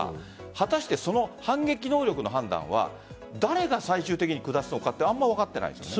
果たしてその反撃能力の判断は誰が最終的に下すのかというのはあまり分かっていないですね。